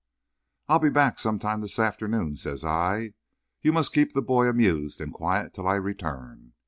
"I'll be back some time this afternoon," says I. "You must keep the boy amused and quiet till I return.